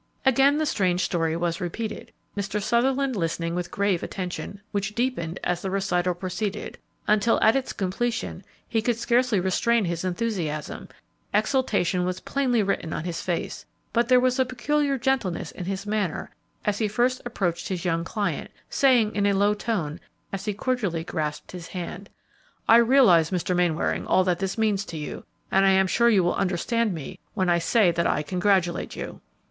Again the strange story was repeated, Mr. Sutherland listening with grave attention, which deepened as the recital proceeded, until, at its completion, he could scarcely restrain his enthusiasm; exultation was plainly written on his face, but there was a peculiar gentleness in his manner as he first approached his young client, saying in a low tone, as he cordially grasped his hand, "I realize, Mr. Mainwaring, all that this means to you, and I am sure you will understand me when I say that I congratulate you."